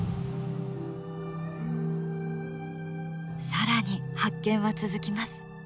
更に発見は続きます。